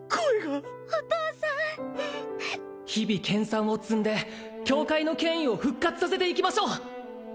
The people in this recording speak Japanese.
日々研さんを積んで教会の権威を復活させていきましょう